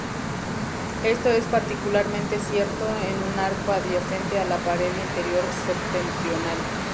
Esto es particularmente cierto en un arco adyacente a la pared interior septentrional.